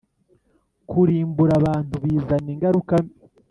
kurimbura abantu bizana ingaruka mbi